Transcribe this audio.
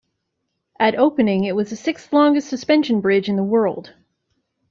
At opening, it was the sixth-longest suspension bridge in the world.